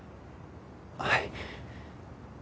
はい。